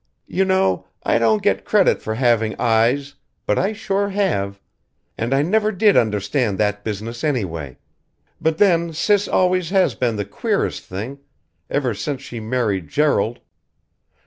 You know, I don't get credit for having eyes, but I sure have. And I never did understand that business anyway. But then Sis always has been the queerest thing ever since she married Gerald.